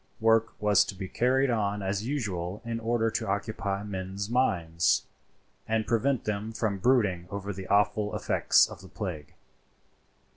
Work was to be carried on as usual in order to occupy men's minds, and prevent them from brooding over the awful effects of the plague.